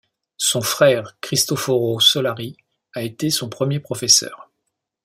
Son frère Cristoforo Solari a été son premier professeur.